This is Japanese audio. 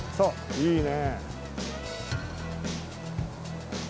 いいね。